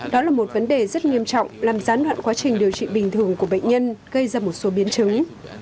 đó là một vấn đề rất nghiêm trọng làm gián đoạn quá trình điều trị bình thường của bệnh nhân gây ra một số biến chứng